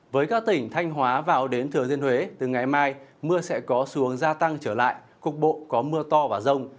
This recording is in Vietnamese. với các tỉnh thanh hóa vào đến thừa thiên huế từ ngày mai mưa sẽ có xuống gia tăng trở lại cục bộ có mưa to và rông